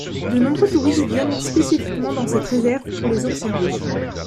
De nombreux touristes viennent spécifiquement dans cette réserve pour les observer.